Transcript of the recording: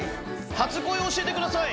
初恋を教えてください？